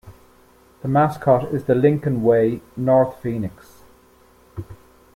The mascot is the Lincoln-Way North Phoenix.